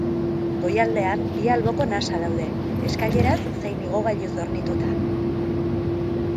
Goialdean bi alboko nasa daude, eskaileraz zein igogailuz hornituta.